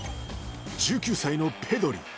１９歳のペドリ。